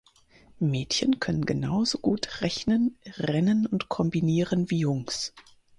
Mädchen können genauso gut rechnen, rennen und kombinieren wie Jungs.